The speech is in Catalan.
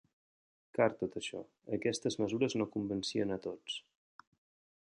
Car tot això, aquestes mesures no convencien a tots.